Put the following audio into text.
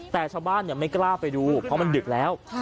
แต่ชาวบ้านไม่กล้าไปดูเพราะมันดึกแล้ว